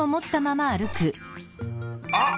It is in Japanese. あっ！